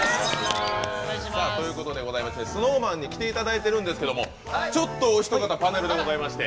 さあということでございましてＳｎｏｗＭａｎに来ていただいてるんですけどもちょっとお一方パネルでございまして。